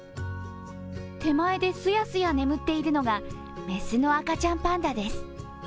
手前ですやすや眠っているのが、雌の赤ちゃんパンダです。